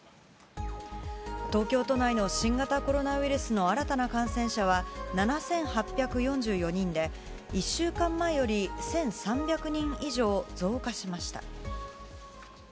東京都内の新型コロナウイルスの新たな感染者は７８４４人で１週間前より１３００人以上、増加しました。